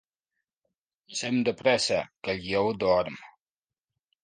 Passem de pressa, que el lleó dorm.